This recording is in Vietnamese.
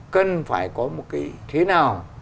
cần phải có một cái thế nào